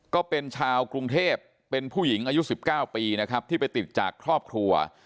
ก็เป็นชาวกรุงเทพเป็นผู้หญิงอายุ๑๙ปีนะครับที่ไปติดจากครอบครัว